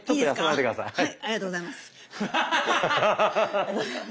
はい。